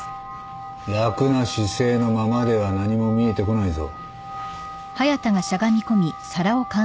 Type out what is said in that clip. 楽な姿勢のままでは何も見えてこないぞ。